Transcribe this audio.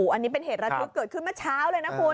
อันนี้เป็นเหตุระทึกเกิดขึ้นเมื่อเช้าเลยนะคุณ